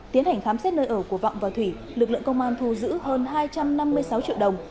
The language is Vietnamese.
tiến hành khám xét nơi ở của vọng và thủy lực lượng công an thu giữ hơn hai trăm năm mươi sáu triệu đồng